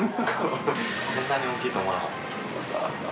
こんなに大きいとは思わなかったですね。